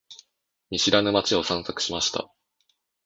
見知らぬ街を散策しました。